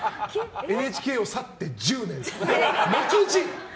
ＮＨＫを去って１０年、もくじ。